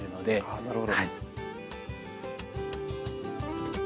あなるほど。